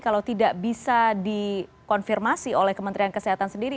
kalau tidak bisa dikonfirmasi oleh kementerian kesehatan sendiri